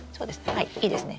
はいいいですね。